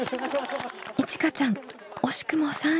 いちかちゃん惜しくも３位。